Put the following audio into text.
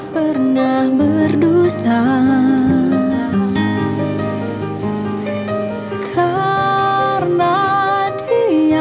karena dia tak melukai